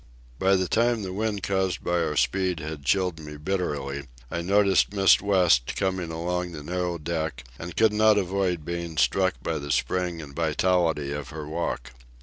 By the time the wind caused by our speed had chilled me bitterly, I noticed Miss West coming along the narrow deck, and could not avoid being struck by the spring and vitality of her walk.